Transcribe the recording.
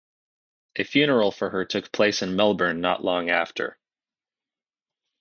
A funeral for her took place in Melbourne not long after.